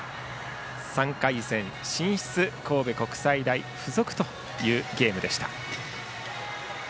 ３回戦進出、神戸国際大付属というゲームでした。